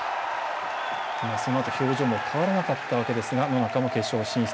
そのあと、表情も変わらなかったわけですが野中も決勝進出。